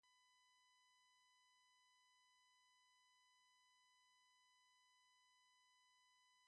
When a woman is in labor, her husband undoes everything that can be done.